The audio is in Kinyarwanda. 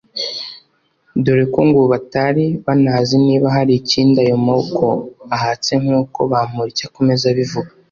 dore ko ngo batari banazi niba hari ikindi ayo moko ahatse nk’uko Bamporiki akomeza abivuga